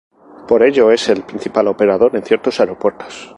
Por ello es el principal operador en ciertos aeropuertos.